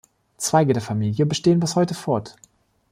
Zweige der Familie bestehen bis heute fort.